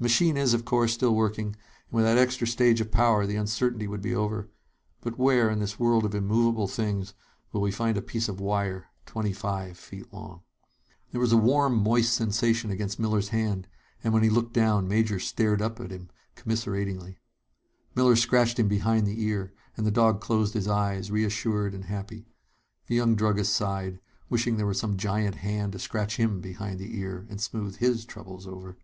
The machine is, of course, still working, and with that extra stage of power, the uncertainty would be over. But where, in this world of immovable things, will we find a piece of wire twenty five feet long?" There was a warm, moist sensation against Miller's hand, and when he looked down Major stared up at him commiseratingly. Miller scratched him behind the ear, and the dog closed his eyes, reassured and happy. The young druggist sighed, wishing there were some giant hand to scratch him behind the ear and smooth his troubles over.